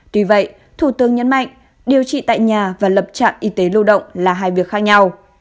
tuy vậy thủ tướng nhấn mạnh điều trị tại nhà và lập trạm y tế lưu động là hai việc khác nhau